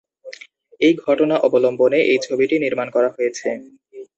এই ঘটনা অবলম্বনে এই ছবিটি নির্মাণ করা হয়েছে।